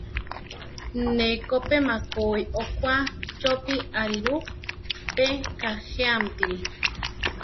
Ne ko pe makói okwá chopí ariru, pe kajéamtiri.